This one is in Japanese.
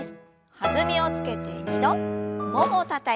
弾みをつけて２度ももをたたいて。